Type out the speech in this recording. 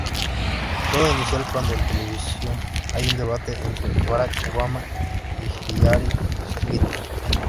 Todo inicia cuando en televisión hay un debate entre Barack Obama y Hillary Clinton.